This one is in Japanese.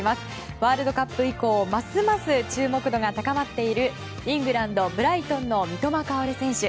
ワールドカップ以降ますます注目度が高まっているイングランド、ブライトンの三笘薫選手。